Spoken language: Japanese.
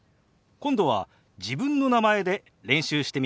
今度は自分の名前で練習してみましょう。